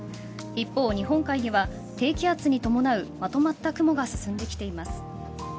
一方、日本海には低気圧に伴うまとまった雲が進んできています。